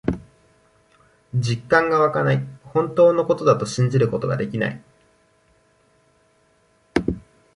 実感がわかない。本当のことだと信じることができない。